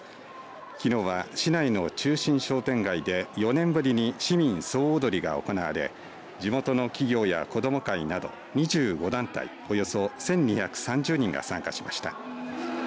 きのうは市内の中心商店街で４年ぶりに市民総踊りが行われ地元の企業や子ども会など２５団体およそ１２３０人が参加しました。